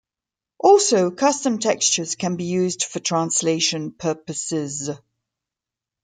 Also custom textures can be used for translation purposes.